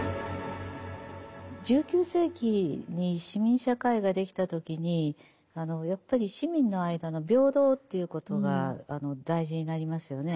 １９世紀に市民社会ができた時にやっぱり市民の間の平等ということが大事になりますよね。